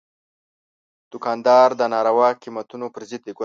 دوکاندار د ناروا قیمتونو پر ضد دی.